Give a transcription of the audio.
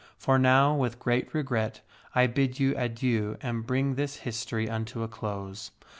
For now, with great regret I bid you adieu and bring this history unto a close.